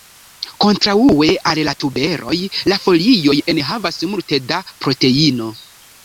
Kontraŭe al la tuberoj, la folioj enhavas multe da proteino.